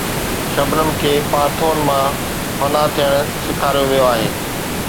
شبنم کي پارٿور مان فنا ٿيڻ سيکاريو ويو آهي